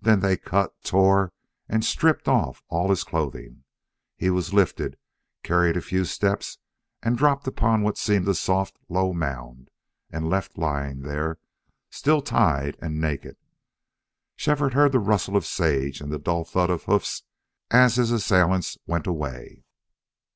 Then they cut, tore, and stripped off all his clothing. He was lifted, carried a few steps, and dropped upon what seemed a soft, low mound, and left lying there, still tied and naked. Shefford heard the rustle of sage and the dull thud of hoofs as his assailants went away.